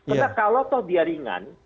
karena kalau itu dia ringan